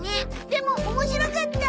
でも面白かった！